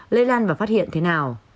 lây lan và phát hiện thế nào